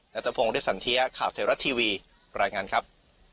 นัทธพงศ์เรียบสันเทียข่าวเทราะทีวีบรรยายงานครับ